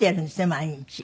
毎日。